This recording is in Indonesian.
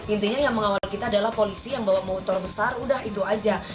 intinya yang mengawal kita adalah polisi yang bawa motor besar udah itu aja